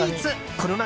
この夏